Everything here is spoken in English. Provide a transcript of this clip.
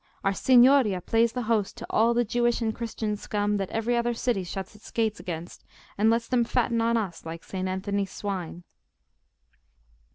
Our Signoria plays the host to all the Jewish and Christian scum that every other city shuts its gates against, and lets them fatten on us like Saint Anthony's swine."